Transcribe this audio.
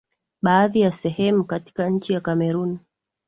baadhi ya sehemu katika nchi ya Cameroon